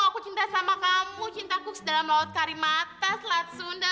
aku cinta sama kamu cintaku sedalam laut tarimata selat sunda